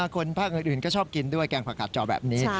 คนภาคอื่นก็ชอบกินด้วยแกงผักกาดจอแบบนี้